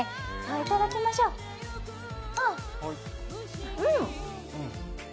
いただきましょう、うん！